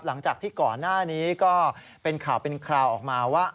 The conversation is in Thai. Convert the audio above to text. หลังจากที่ก่อนหน้านี้ก็เป็นข่าวเป็นคราวออกมาว่า